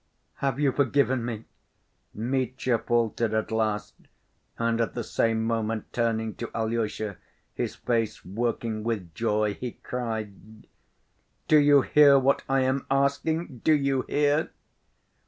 "Have you forgiven me?" Mitya faltered at last, and at the same moment turning to Alyosha, his face working with joy, he cried, "Do you hear what I am asking, do you hear?"